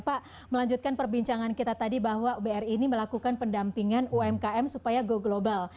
pak melanjutkan perbincangan kita tadi bahwa bri ini melakukan pendampingan umkm supaya go global